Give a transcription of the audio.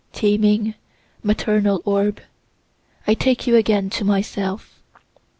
Teeming, maternal orb I take you again to myself.